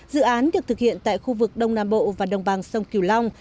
dự án được thực hiện tại khu vực đông nam bộ và đồng bằng sông kiều long